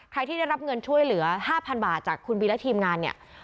ที่ได้รับเงินช่วยเหลือ๕๐๐๐บาทจากคุณบีและทีมงานเนี่ย